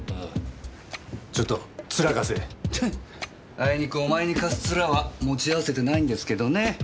あいにくお前に貸すツラは持ち合わせてないんですけどね。